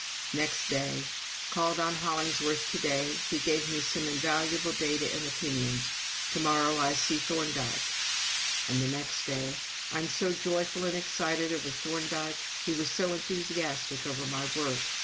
Next day: "Called on Hollingworth to day. He gave me some invaluable data and opinions. ... To morrow I see Thorndike." And the next day: "I'm so joyful and excited over Thorndike. He was so enthusiastic over my work.